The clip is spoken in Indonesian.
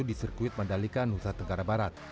di sirkuit mandalika nusa tenggara barat